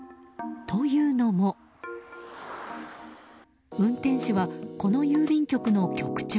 というのも運転手はこの郵便局の局長。